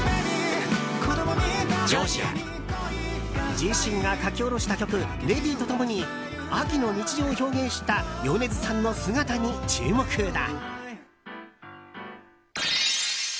自身が書き下ろした曲「ＬＡＤＹ」と共に秋の日常を表現した米津さんの姿に注目だ。